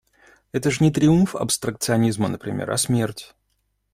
Это ж не триумф абстракционизма, например, а смерть…